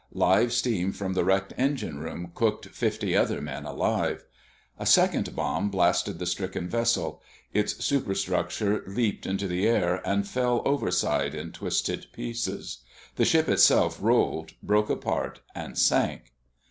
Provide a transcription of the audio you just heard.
Live steam from the wrecked engine room cooked fifty other men alive. A second bomb blasted the stricken vessel. Its superstructure leaped into the air and fell overside in twisted pieces. The ship itself rolled, broke apart, and sank.